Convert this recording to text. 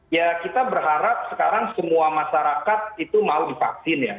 ya kita berharap sekarang semua masyarakat itu mau divaksin ya